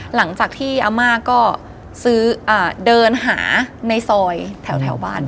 หลังจากที่อาม่าก็ซื้อเดินหาในซอยแถวบ้าน